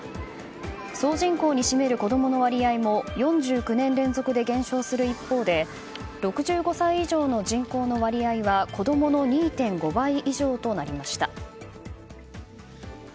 総人口に占める子供の割合も４９年連続で減少する一方で６５歳以上の人口の割合は子供の２．５倍以上となりました。